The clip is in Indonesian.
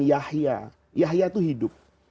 yahya yahya itu hidup